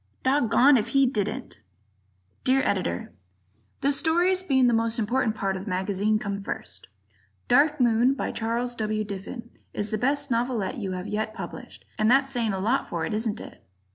Doggoned If He Didn't! Dear Editor: The stories, being the most important part of the magazine, come first: "Dark Moon," by Charles W. Diffin, is the best novelette you have yet published, and that's saying a lot for it, isn't it?